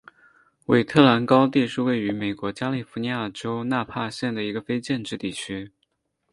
韦特兰高地是位于美国加利福尼亚州纳帕县的一个非建制地区。